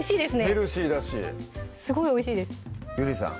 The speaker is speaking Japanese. ヘルシーだしすごいおいしいですゆりさん